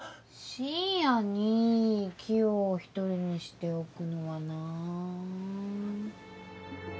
深夜にキヨを１人にしておくのはな。